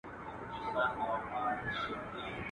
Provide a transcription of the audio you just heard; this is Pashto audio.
یو د بل په وینو پايي او پړسېږي.